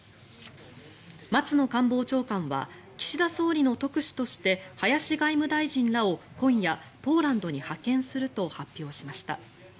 松野官房長官は岸田総理の特使として林外務大臣らを今夜ポーランドに派遣すると発表しました。